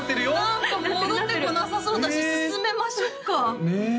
何か戻ってこなさそうだし進めましょっかねえ